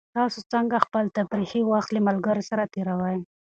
تاسو څنګه خپل تفریحي وخت له ملګرو سره تېروئ؟